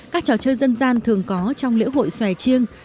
các trò chơi dân gian thường có trong lễ hội xòe chiêng